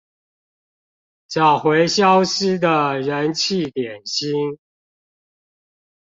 找回消失的人氣點心